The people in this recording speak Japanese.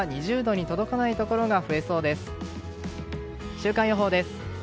週間予報です。